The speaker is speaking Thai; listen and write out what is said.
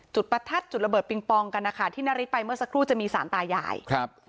ประทัดจุดระเบิดปิงปองกันนะคะที่นาริสไปเมื่อสักครู่จะมีสารตายายครับ